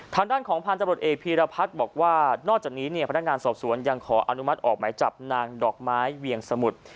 ทางด้านของพันธุ์ตำรวจเอกพีรพัฒน์บอกว่านอกจากนี้เนี่ยพนักงานสอบสวนยังขออนุมัติออกหมายจับนางดอกไม้เวียงสมุทร